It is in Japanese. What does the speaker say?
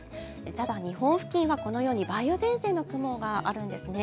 ただ、日本付近はこのように梅雨前線の雲があるんですね。